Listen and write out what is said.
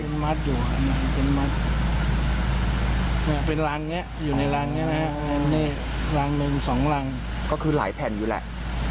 เป็นรังเนี้ยอยู่ในรังเนี้ยนะฮะรังหนึ่งสองรังก็คือหลายแผ่นอยู่แหละ